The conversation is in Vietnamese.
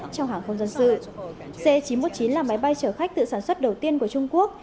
trong hàng không dân sự c chín trăm một mươi chín là máy bay chở khách tự sản xuất đầu tiên của trung quốc